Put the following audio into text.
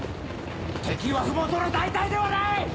敵は麓の大隊ではない！